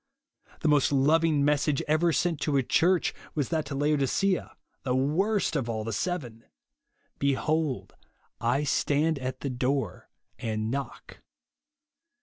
The most loving mes sage ever sent to a Church was that to Laodicea, the worst of all the seven, " Be JESUS ONLY, 197 hold I stand at the door and knock."